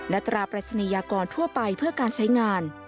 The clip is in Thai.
และตราปริศนียากรทั่วไปเพื่อการใช้งาน